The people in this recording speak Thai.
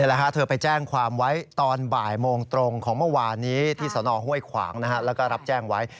เธอไปแจ้งความไว้ตอนบ่ายโมงตรงของเมื่อวานนี้ที่สนห้วยขวางแล้วก็รับแจ้งไว้